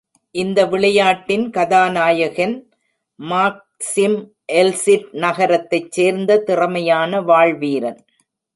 இந்த விளையாட்டின் கதாநாயகன் மாக்சிம் எல்சிட் நகரத்தைச் சேர்ந்த திறமையான வாள்வீரன்.